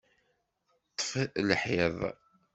Ṭṭef lḥiḍ!